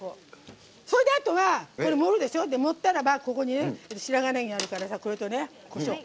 それで、あとは盛ったらば白髪ねぎがあるからこれとこしょう。